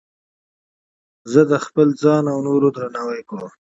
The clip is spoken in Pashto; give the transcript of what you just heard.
زه د خپل ځان او نورو درناوی کوم.